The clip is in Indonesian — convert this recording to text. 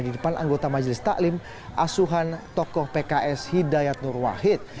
di depan anggota majelis taklim asuhan tokoh pks hidayat nur wahid